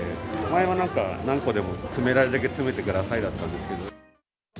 前はなんか、何個でも詰められるだけ詰めてくださいだったんですけど。